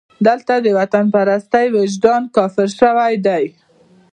دلته د وطنپرستۍ وجدان کافر شوی دی.